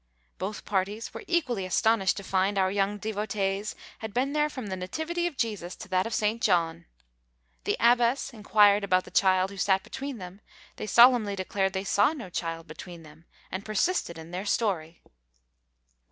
Both parties were equally astonished to find our young devotees had been there from the Nativity of Jesus to that of St. John. The abbess inquired about the child who sat between them; they solemnly declared they saw no child between them! and persisted in their story!